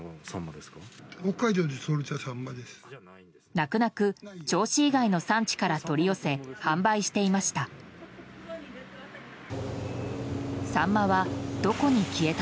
泣く泣く、銚子以外の産地から取り寄せ販売していました。